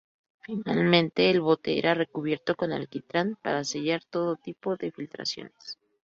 Finalmente el bote era recubierto con alquitrán para sellar todo tipo de filtraciones.